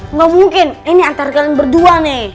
engga mungkin ini antara kalian berdua nih